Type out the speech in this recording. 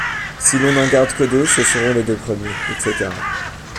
Si l’on n’en garde que deux, ce seront les deux premiers, etc.